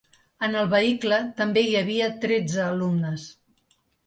En el vehicle també hi havia tretze alumnes.